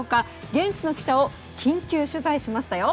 現地の記者を緊急取材しましたよ。